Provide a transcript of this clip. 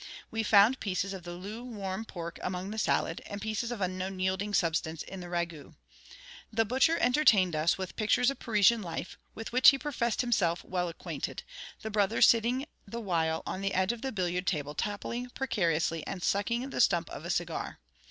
We found pieces of loo warm pork among the salad, and pieces of unknown yielding substance in the ragoût. The butcher entertained us with pictures of Parisian life, with which he professed himself well acquainted; the brother sitting the while on the edge of the billiard table, toppling precariously, and sucking the stump of a cigar.